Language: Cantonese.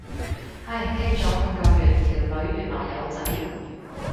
唉，傾咗半個月，條女原來有仔。